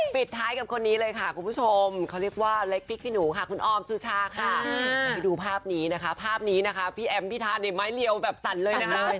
พี่แอมพี่ทาในไม้เหลี่ยวแบบสั่นเลยนะคะ